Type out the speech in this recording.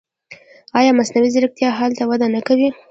آیا مصنوعي ځیرکتیا هلته وده نه کوي؟